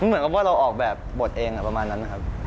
เหมือนกับว่าเราออกแบบบทเองประมาณนั้นนะครับ